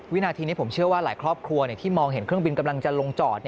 วินาทีนี้ผมเชื่อว่าหลายครอบครัวที่มองเห็นเครื่องบินกำลังจะลงจอด